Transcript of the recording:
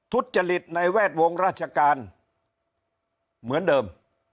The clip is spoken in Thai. ทุจริตในแวดวงราชการเหมือนเดิม